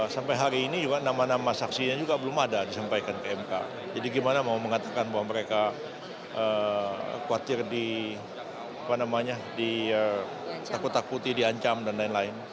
sampai hari ini juga nama nama saksinya juga belum ada disampaikan ke mk jadi gimana mau mengatakan bahwa mereka khawatir ditakut takuti diancam dan lain lain